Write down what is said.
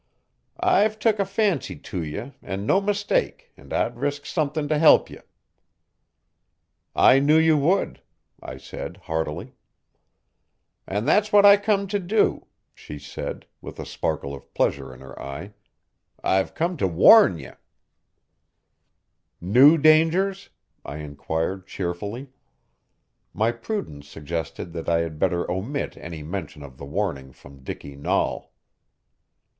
"I've took a fancy to ye and no mistake, and I'd risk something to help ye." "I knew you would," I said heartily. "And that's what I come to do," she said, with a sparkle of pleasure in her eye. "I've come to warn ye." "New dangers?" I inquired cheerfully. My prudence suggested that I had better omit any mention of the warning from Dicky Nahl.